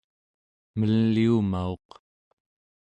meliumauq